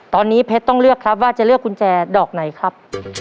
ตอนนี้เพชรต้องเลือกครับว่าจะเลือกกุญแจดอกไหนครับ